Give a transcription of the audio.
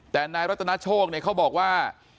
แต่นายรัตนาโชคเขาบอกว่า